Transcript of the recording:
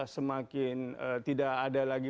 semakin tidak ada lagi